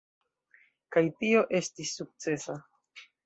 Kaj tio estis sukcesa.